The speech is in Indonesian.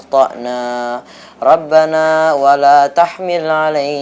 untuk penjualan laki laki